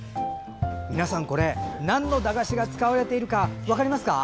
皆さん、これなんの駄菓子が使われているか分かりますか？